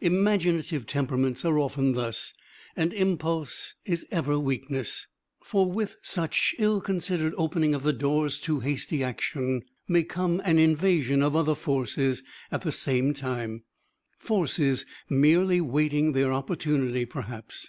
Imaginative temperaments are often thus; and impulse is ever weakness. For with such ill considered opening of the doors to hasty action may come an invasion of other forces at the same time forces merely waiting their opportunity perhaps!